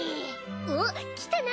おっきたな？